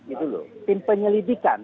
itu lho tim penyelidikan